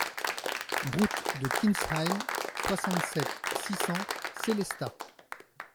Route de Kintzheim, soixante-sept, six cents Sélestat